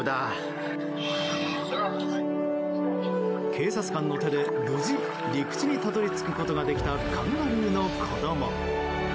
警察官の手で無事、陸地にたどり着くことができたカンガルーの子供。